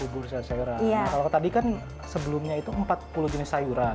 nah kalau tadi kan sebelumnya itu empat puluh jenis sayuran